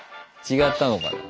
違ったのかな。